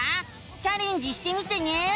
チャレンジしてみてね！